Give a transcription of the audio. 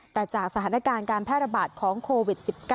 แต่จากสถานการณ์การแพร่ระบาดของโควิด๑๙